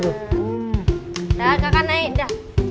dah kakak naik udah